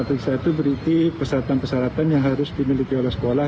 kata kata saya itu berarti peseratan peseratan yang harus dimiliki oleh sekolah